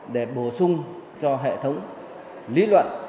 để bổ sung cho hệ thống lý luận